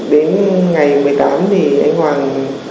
đến ngày một mươi tám thì anh hoàng